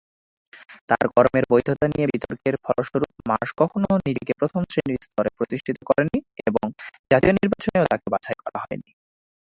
তার কর্মের বৈধতা নিয়ে বিতর্কের ফলস্বরূপ, মার্শ কখনও নিজেকে প্রথম-শ্রেণীর স্তরে প্রতিষ্ঠিত করেননি এবং জাতীয় নির্বাচনেও তাঁকে বাছাই করা হয়নি।